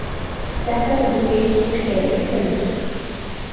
تحتفظ كيت بكلب.